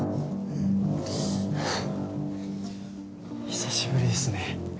久しぶりですね